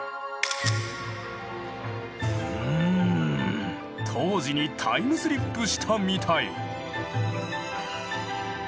うん当時にタイムスリップしたみたい。